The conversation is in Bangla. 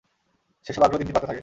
সেসব আগ্রহ দিন দিন বাড়তে থাকে।